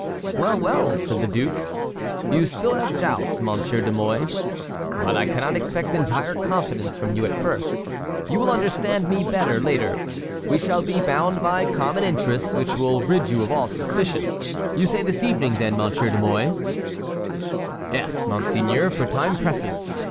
"Well, well," said the duke, "you still have doubts, Monsieur de Mouy. But I cannot expect entire confidence from you at first. You will understand me better later. We shall be bound by common interests which will rid you of all suspicion. You say this evening, then, Monsieur de Mouy?" "Yes, monseigneur, for time presses.